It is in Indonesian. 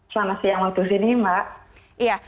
selamat siang waktu sini mbak